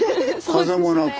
風もなく。